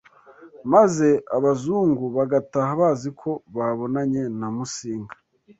maze abazungu bagataha bazi ko babonanye na Musinga